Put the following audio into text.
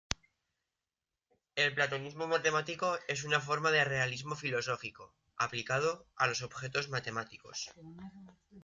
El platonismo matemático es una forma de realismo filosófico, aplicado a los objetos matemáticos.